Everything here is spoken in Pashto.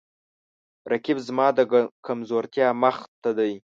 رقیب زما د کمزورتیاو مخ ته دی